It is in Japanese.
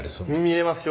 見れますよ。